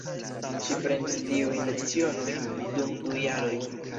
Ŝi prenis tiujn lecionojn dum du jaroj.